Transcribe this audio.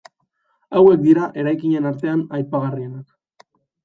Hauek dira eraikinen artean aipagarrienak.